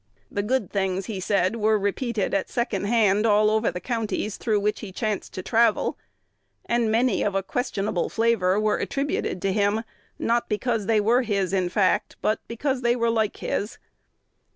The "good things" he said were repeated at second hand, all over the counties through which he chanced to travel; and many, of a questionable flavor, were attributed to him, not because they were his in fact, but because they were like his.